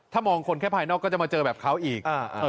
ถ้ามองคนแค่ภายนอกก็จะมาเจอแบบเขาอีก